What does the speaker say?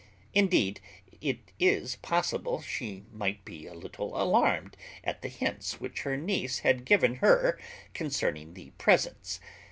Indeed, it is possible she might be a little alarmed at the hints which her niece had given her concerning the presents.